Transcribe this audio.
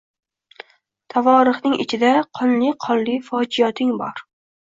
Tavorixning ichida qonli-qonli fojiyoting bor